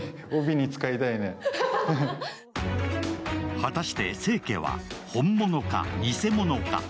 果たして清家は本物か、偽者か？